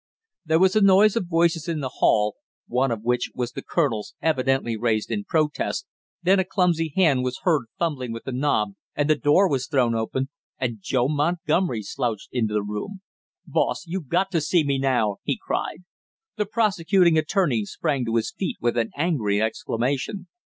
There was the noise of voices in the hail, one of which was the colonel's, evidently raised in protest, then a clumsy hand was heard fumbling with the knob and the door was thrown open, and Joe Montgomery slouched into the room. "Boss, you got to see me now!" he cried. The prosecuting attorney sprang to his feet with an angry exclamation.